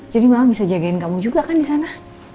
jadi mama bisa jagain kamu juga kan di sana